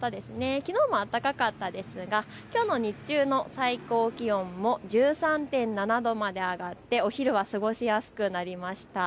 きのうも暖かかったですが、きょうの日中の最高気温も１３．７度まで上がってお昼は過ごしやすくなりました。